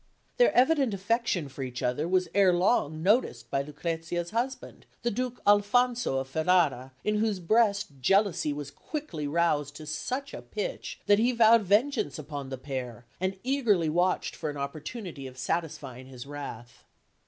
Their evident affection for each other was ere long noticed by Lucrezia's husband, the Duke Alphonso of Ferrara, in whose breast jealousy was quickly roused to such a pitch that he vowed vengeance upon the pair, and eagerly watched for an opportunity of satisfying his wrath.